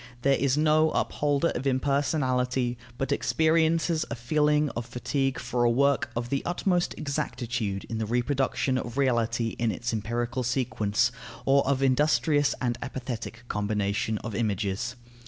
There is no upholder of impersonality but experiences a feeling of fatigue for a work of the utmost exactitude in the reproduction of reality in its empirical sequence, or of industrious and apathetic combination of images.